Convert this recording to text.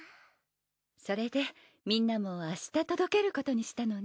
それでみんなも明日届けることにしたのね。